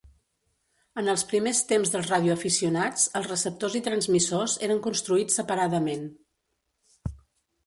En els primers temps dels radioaficionats, els receptors i transmissors eren construïts separadament.